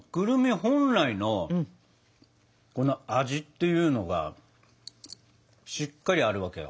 本来のこの味っていうのがしっかりあるわけよ。